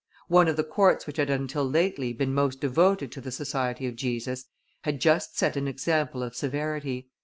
One of the courts which had until lately been most devoted to the Society of Jesus had just set an example of severity.